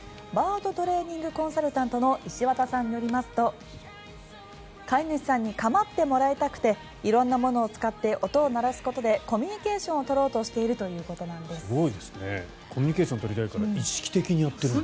バードトレーニングコンサルタントの石綿さんによりますと飼い主さんに構ってもらいたくて色んなものを使って音を鳴らすことでコミュニケーションを取ろうとしているということなんです。